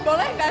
boleh gak sih